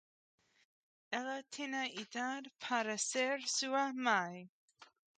Ela tinha idade para ser sua mãe.